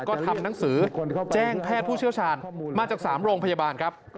ก็ทำหนังสือแจ้งแพทย์ผู้เชี่ยวชาญมาจาก๓โรงพยาบาลครับ